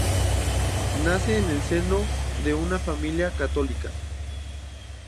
Nace en el seno de una familia católica.